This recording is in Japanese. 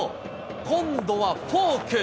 今度はフォーク。